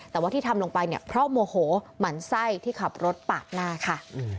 แต่ว่าที่ทำลงไปเนี่ยเพราะโมโหหมั่นไส้ที่ขับรถปาดหน้าค่ะ